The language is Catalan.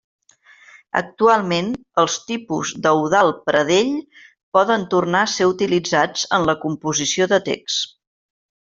Actualment els tipus d'Eudald Pradell poden tornar a ser utilitzats en la composició de text.